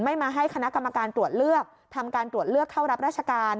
มาให้คณะกรรมการตรวจเลือกทำการตรวจเลือกเข้ารับราชการ